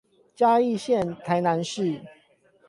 嘉義縣臺南市